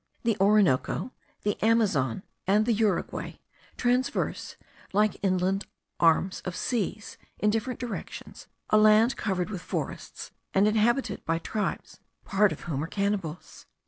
The Orinoco, the Amazon, and the Uruguay, traverse, like inland arms of seas, in different directions, a land covered with forests, and inhabited by tribes, part of whom are cannibals.